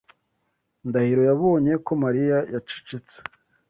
Ndahiro yabonye ko Mariya yacecetse.